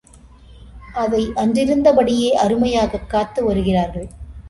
அதை அன்றிருந்தபடியே அருமையாகக் காத்து வருகிறார்கள்.